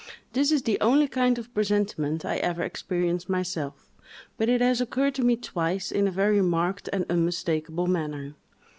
This is the only kind of presentiment I ever experienced myself; but it has occurred to me twice, in a very marked and unmistakable manner.